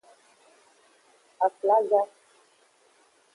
Aflaga.